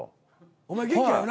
お前元気やよな。